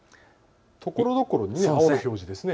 ところどころ、青い表示ですね。